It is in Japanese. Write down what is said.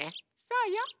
そうよ。